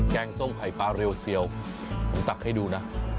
งส้มไข่ปลาเรียวเซียวผมตักให้ดูนะ